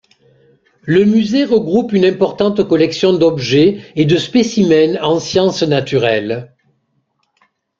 Le musée regroupe une importante collection d'objets et de spécimens en sciences naturelles.